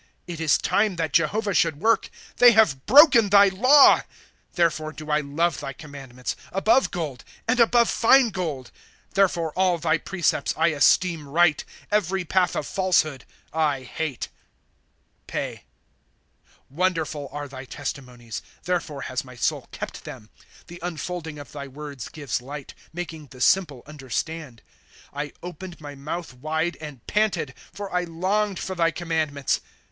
^ It is time that Jehovah should work ; They have broken thy law. ' Therefore do I love thy commandments, Above gold, and above fine gold. ^ Therefore all thy precepts I esteem right ; Every path of falsehood I hate. Pe. ' Wonderful are tliy testimonies ; Therefore has my soul kept them. '' The unfolding of thy words gives light, Making the simple understand, ' I opened my mouth wide, and panted ; For I longed for thy commandments.